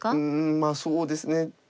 まあそうですね。